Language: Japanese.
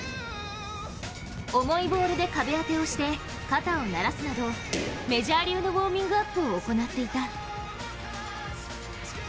重いボールで壁当てをして肩を慣らすなどメジャー流のウォーミングアップを行っていた。